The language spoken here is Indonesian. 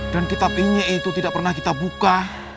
dan kitab ini itu tidak pernah kita buka